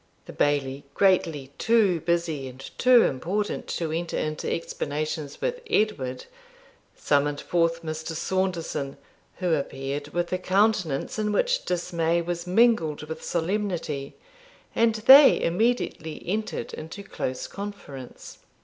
The Bailie, greatly too busy and too important to enter into explanations with Edward, summoned forth Mr. Saunderson, who appeared with a countenance in which dismay was mingled with solemnity, and they immediately entered into close conference.